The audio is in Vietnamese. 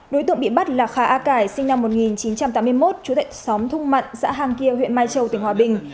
đối tượng bị bắt là khà a cải sinh năm một nghìn chín trăm tám mươi một chú tệ xóm thung mặn xã hang kia huyện mai châu tỉnh hòa bình